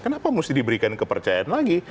kenapa mesti diberikan kepercayaan lagi